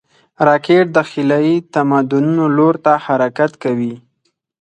راکټ د خلایي تمدنونو لور ته حرکت کوي